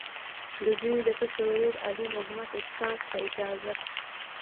د دوي د کشر ورور، علي محمد استاذ، پۀ اجازت